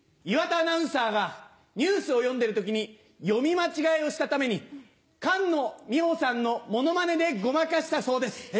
岩田アナウンサーがニュースを読んでる時に読み間違えをしたために菅野美穂さんのモノマネでごまかしたそうです。